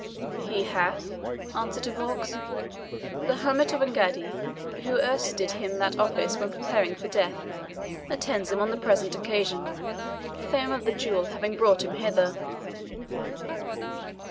"He hath," answered De Vaux; "the hermit of Engaddi, who erst did him that office when preparing for death, attends him on the present occasion, the fame of the duel having brought him hither."